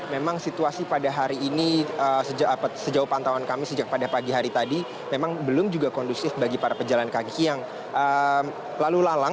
memang situasi pada hari ini sejauh pantauan kami sejak pada pagi hari tadi memang belum juga kondusif bagi para pejalan kaki yang lalu lalang